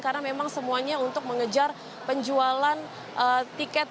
karena memang semuanya untuk mengejar penjualan tiket